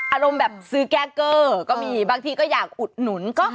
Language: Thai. อารมณ์แบบซื้อแก้เกอร์ก็มีบางทีก็อยากอุดหนุน